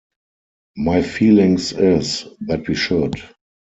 My feelings is that we should.